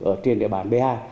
ở trên địa bàn b hai